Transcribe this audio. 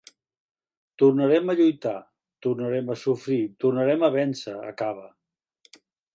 Tornarem a lluitar, tornarem a sofrir, tornarem a vèncer, acaba.